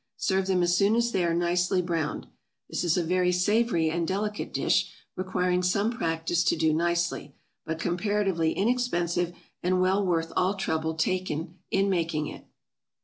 Serve them as soon as they are nicely browned. This is a very savory and delicate dish, requiring some practice to do nicely, but comparatively inexpensive, and well worth all trouble taken in making it.